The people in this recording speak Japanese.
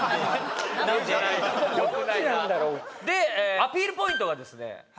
アピールポイントがですね